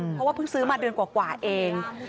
เพราะว่าเพิ่งซื้อมาเดือนกว่าเอง